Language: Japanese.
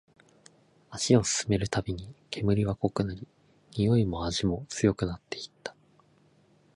足を進めるたびに、煙は濃くなり、においも味も強くなっていった